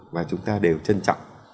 và chúng ta đều trân trọng